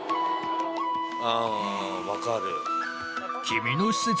あ分かる。